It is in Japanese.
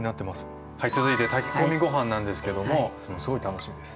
続いて炊き込みご飯なんですけどもすごい楽しみです。